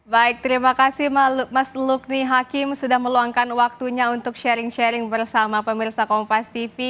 baik terima kasih mas lukni hakim sudah meluangkan waktunya untuk sharing sharing bersama pemirsa kompas tv